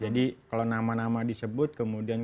jadi kalau nama nama disebut kemudian